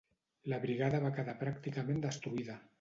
La brigada va quedar pràcticament destruïda.